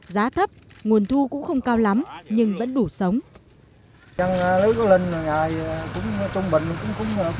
giá thấp nguồn thu cũng không cao lắm nhưng vẫn đủ sống